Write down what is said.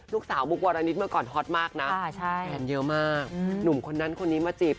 ลูกสาวมุกวรณิตเมื่อก่อนฮอตมากนะแฟนเยอะมากหนุ่มคนนั้นคนนี้มาจีบ